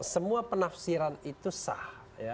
semua penafsiran itu sah